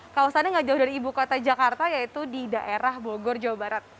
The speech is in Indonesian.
kawasannya gak jauh dari ibu kota jakarta yaitu di daerah bogor jawa barat